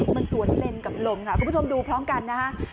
มันสวนเลนกับลมค่ะคุณผู้ชมดูพร้อมกันนะคะ